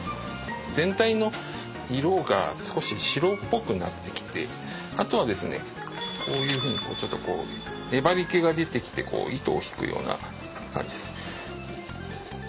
全体の色が少し白っぽくなってきてあとはですねこういうふうにちょっと粘りけが出てきてこう糸を引くような感じです。